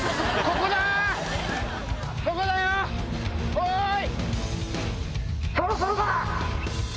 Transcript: おい！